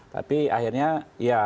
tapi akhirnya ya